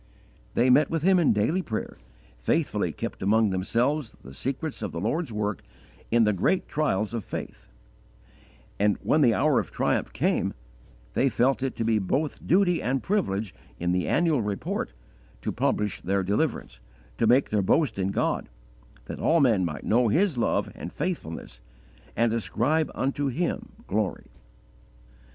They met with him in daily prayer, faithfully kept among themselves the secrets of the Lord's work in the great trials of faith; and, when the hour of triumph came, they felt it to be both duty and privilege in the annual report to publish their deliverance, to make their boast in God, that all men might know His love and faithfulness and ascribe unto Him glory.